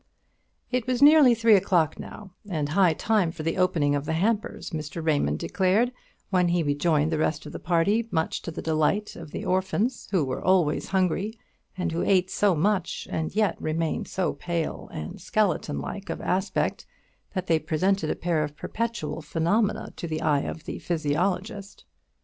It was nearly three o'clock now, and high time for the opening of the hampers, Mr. Raymond declared, when he rejoined the rest of the party, much to the delight of the orphans, who were always hungry, and who ate so much, and yet remained so pale and skeleton like of aspect, that they presented a pair of perpetual phenomena to the eye of the physiologist.